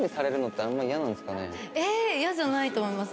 えっイヤじゃないと思います。